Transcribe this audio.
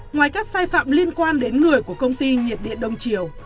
ngoài các sai phạm liên quan đến người của công ty nhiệt điện đông triều